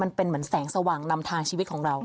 มันเป็นเหมือนแสงสว่างนำทางชีวิตของเรา